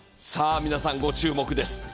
さあ皆さんご注目です。